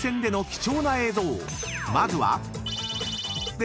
［まずは］